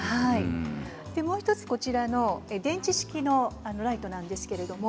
もう１つこちらの電気式のライトなんですけれども。